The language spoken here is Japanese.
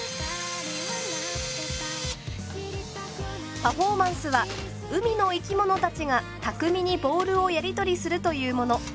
パフォーマンスは海の生きものたちが巧みにボールをやり取りするというもの。